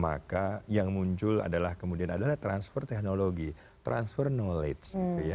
maka yang muncul adalah kemudian adalah transfer teknologi transfer knowledge